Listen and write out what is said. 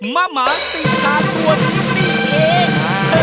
มาสี่ขาปวดยุ่งนี้เอง